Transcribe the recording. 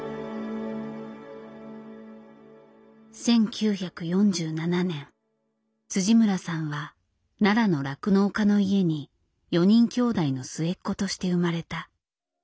１９４７年村さんは奈良の酪農家の家に４人兄弟の末っ子として生まれた。